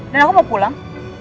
dan aku mau pulang